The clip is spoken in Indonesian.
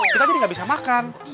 kita jadi nggak bisa makan